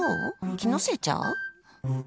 気のせいちゃう？